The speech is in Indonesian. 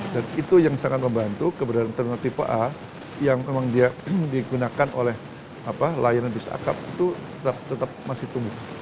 dan itu yang sangat membantu keberadaan terminal tipe a yang memang dia digunakan oleh layanan bis akap itu tetap masih tunggu